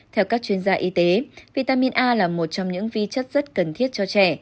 theo các chuyên gia y tế vitamin a là một trong những vi chất rất cần thiết cho trẻ